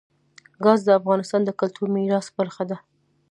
ګاز د افغانستان د کلتوري میراث برخه ده.